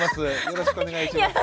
よろしくお願いします。